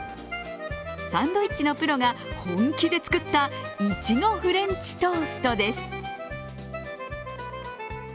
サンドイッチのプロが本気で作ったいちごフレンチトーストです。